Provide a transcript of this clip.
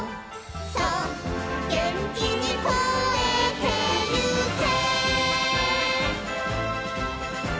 「そうげんきにこえてゆけ」